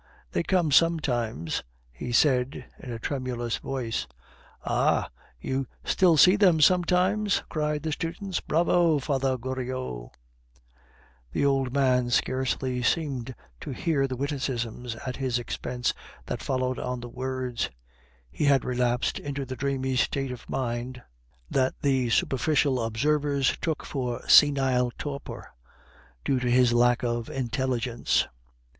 "They come sometimes," he said in a tremulous voice. "Aha! you still see them sometimes?" cried the students. "Bravo, Father Goriot!" The old man scarcely seemed to hear the witticisms at his expense that followed on the words; he had relapsed into the dreamy state of mind that these superficial observers took for senile torpor, due to his lack of intelligence.